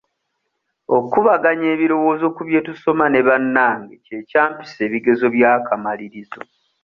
Okubaganya ebirowoozo ku bye tusoma ne bannange kye kyampisa ebigezo by'akamalirizo.